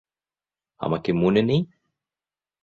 আমাকে মনে নেই?